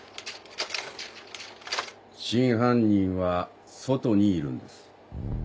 真犯人は外にいるんです。